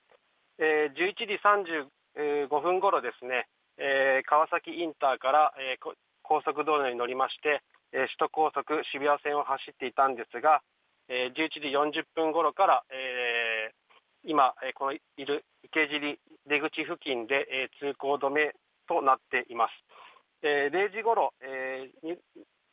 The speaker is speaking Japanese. １１時３５分ごろですね川崎インターから高速道路に乗りまして首都高速渋谷線を走っていたんですが１１時４０分ごろから今このいる池尻出口付近で通行止めとなっています。